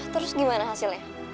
terus gimana hasilnya